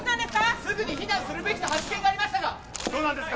・すぐに避難するべきと発言がありましたがどうなんですか？